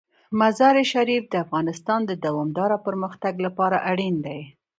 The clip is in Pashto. مزارشریف د افغانستان د دوامداره پرمختګ لپاره اړین دي.